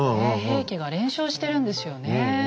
平家が連勝してるんですよね。